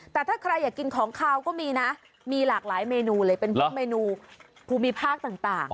แต่ถ้าใครอยากกินของขาวก็มีนะมีหลากหลายเมนูเลยเป็นพวกเมนูภูมิภาคต่าง